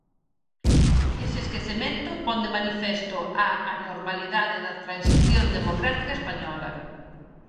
Ese esquecemento pon de manifesto a anormalidade da transición democrática española.